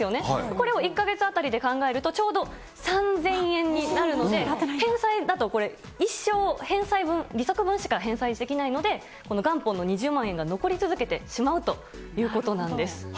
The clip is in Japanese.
これを１か月当たりで考えるとちょうど３０００円になるので、返済だと、これ、一生返済分、利息分しか返済できないので、この元本の２０万円が残り続けてしまうということなんです。